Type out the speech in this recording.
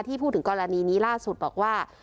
พูดถึงกรณีนี้ล่าสุดบอกว่า